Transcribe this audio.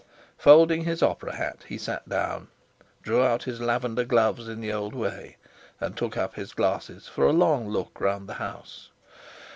Folding his opera hat, he sat down, drew out his lavender gloves in the old way, and took up his glasses for a long look round the house.